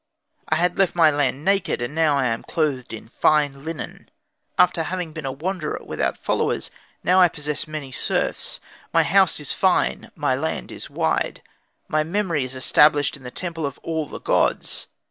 I had left my land naked, and now I am clothed in fine linen. After having been a wanderer without followers, now I possess many serfs. My house is fine, my land wide, my memory is established in the temple of all the gods.